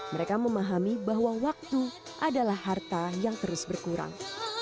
mereka memahami bahwa waktu adalah harta yang terus berkurang